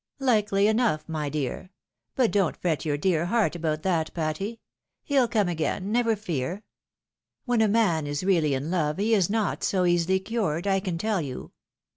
" Likely enough, my dear ! But don't fret your dear heart about that, Patty. He'U come again, never fear. When a man is really in love, he is not so easily cured, I can tell you.